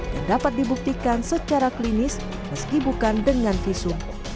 yang dapat dibuktikan secara klinis meski bukan dengan visum